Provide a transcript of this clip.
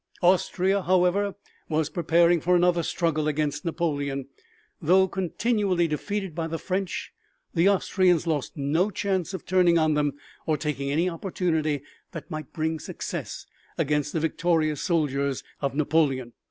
Austria, however, was preparing for another struggle against Napoleon. Though continually defeated by the French, the Austrians lost no chance of turning on them or taking any opportunity that might bring success against the victorious soldiers of Napoleon.